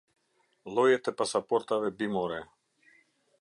Llojet e pasaportave bimore.